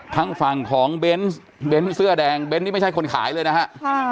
ทางฝั่งของเบนส์เบ้นเสื้อแดงเบนท์นี่ไม่ใช่คนขายเลยนะฮะ